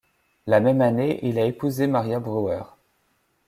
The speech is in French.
La même année, il a épousé Maria Brewer.